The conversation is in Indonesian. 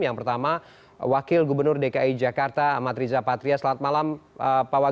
yang pertama wakil gubernur dki jakarta amat riza patria selamat malam pak wagub